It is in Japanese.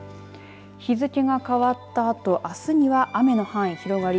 日付が変わったあとあすには雨の範囲、広がり